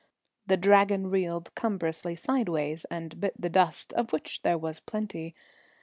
The Dragon reeled cumbrously sideways and bit the dust, of which there was plenty.